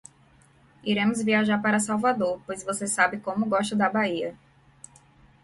Iremos viajar para Salvador, pois você sabe como gosto da Bahia.